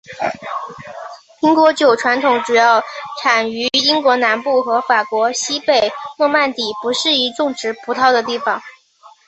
苹果酒传统主要产于英国南部和法国西北诺曼底不适宜种植葡萄的地方。